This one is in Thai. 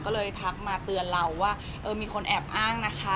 ก็เลยทักมาเตือนเราว่าเออมีคนแอบอ้างนะคะ